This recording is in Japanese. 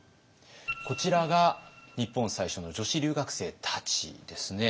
こちらが日本最初の女子留学生たちですね。